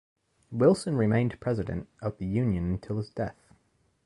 Wilson remained president of the union until his death.